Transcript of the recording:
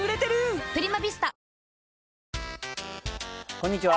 こんにちは